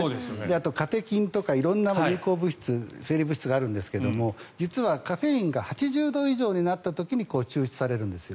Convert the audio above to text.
あと、カテキンとか色々な有効物質生理物質があるんですが実はカフェインが８０度以上になった時に抽出されるんですよ。